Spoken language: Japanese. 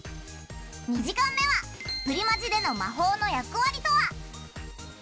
２時間目は「プリマジでの魔法の役割とは？」。